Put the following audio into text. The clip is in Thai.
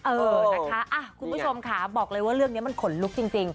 เออนะคะคุณผู้ชมค่ะบอกเลยว่าเรื่องนี้มันขนลุกจริง